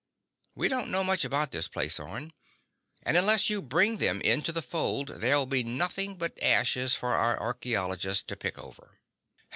"We don't know much about this place, Orne. And unless you bring them into the fold, there'll be nothing but ashes for our archaeologists to pick over."